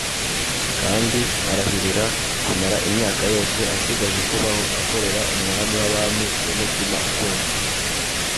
kandi arahirira kumara imyaka yose asigaje kubaho akorera umwami w'abami n'umutima ukunze